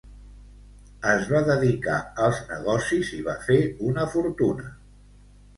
Es va dedicar als negocis i va fer una fortuna.